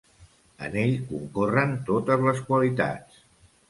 En ell concorren totes les qualitats.